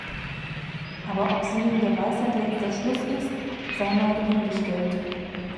Aber ob sie nun der Weisheit letzter Schluss ist, sei mal dahingestellt.